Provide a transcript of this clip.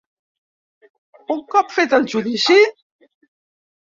Un cop fet el judici?